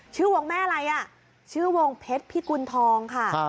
ชื่อวงแม่อะไรอ่ะชื่อวงเพชรพิกุณฑองค่ะ